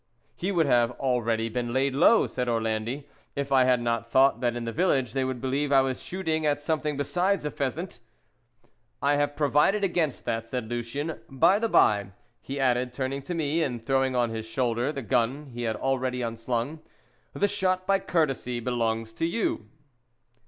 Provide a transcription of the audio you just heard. "He would have already been laid low," said Orlandi, "if I had not thought that in the village they would believe I was shooting at something besides a pheasant." "I have provided against that," said Lucien. "By the by," he added, turning to me and throwing on his shoulder the gun he had already unslung, "the shot by courtesy belongs to you."